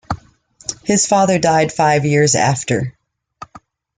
His father died five years after.